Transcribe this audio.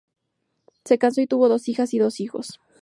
Se casó y tuvo dos hijas y dos hijos.